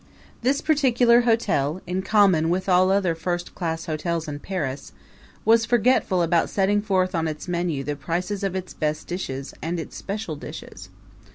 This particular hotel, in common with all other first class hotels in Paris, was forgetful about setting forth on its menu the prices of its best dishes and its special dishes.